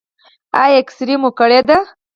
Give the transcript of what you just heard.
ایا اکسرې مو کړې ده؟